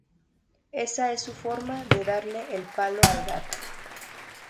Esa es su forma de darle "el palo al gato".